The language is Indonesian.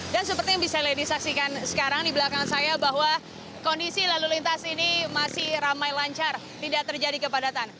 dan seperti yang bisa lady saksikan sekarang di belakang saya bahwa kondisi lalu lintas ini masih ramai lancar tidak terjadi kepadatan